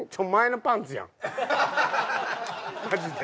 マジで。